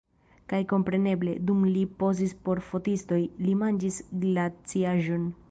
Kaj kompreneble, dum li pozis por fotistoj, li manĝis glaciaĵon!